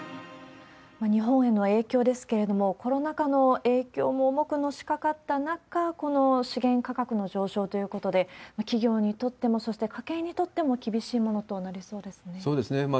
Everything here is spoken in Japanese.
日本への影響ですけれども、コロナ禍の影響も重くのしかかった中、この資源価格の上昇ということで、企業にとっても、そして家計にとっても厳しいものとなりそうですね。